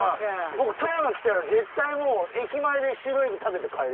僕富山来たら絶対もう駅前でシロエビ食べて帰りますもん。